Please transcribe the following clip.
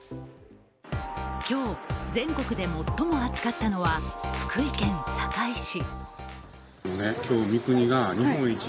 今日、全国で最も暑かったのは福井県坂井市。